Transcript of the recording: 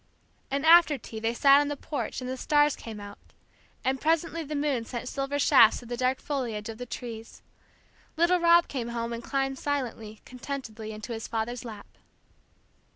And after tea they sat on the porch, and the stars came out, and presently the moon sent silver shafts through the dark foliage of the trees. Little Rob came home, and climbed silently, contentedly, into his father's lap.